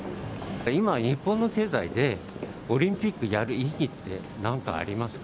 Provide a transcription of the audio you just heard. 今、日本の経済でオリンピックやる意義って、なんかありますか？